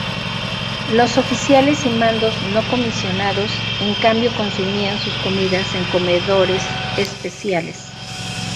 Los oficiales y mandos no comisionados, en cambio consumían sus comidas en comedores"especiales.